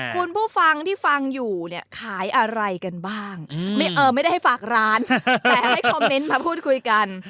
คุณผู้ฟังที่ฟังอยู่เนี่ยขายอะไรกันบ้างไม่ได้ให้ฝากร้านแต่ให้คอมเมนต์มาพูดคุยกัน